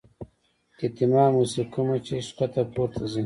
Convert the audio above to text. اهتمام اوشي کومه چې ښکته پورته ځي -